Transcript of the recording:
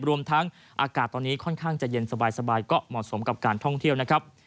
รวมทั้งอากาศตอนนี้ค่อนข้างจะเย็นสบายก็เหมาะสมกับการท่องเที่ยวนะครับ